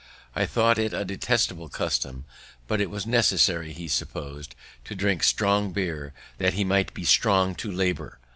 I thought it a detestable custom; but it was necessary, he suppos'd, to drink strong beer, that he might be strong to labour.